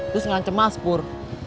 terus ngancep mas pur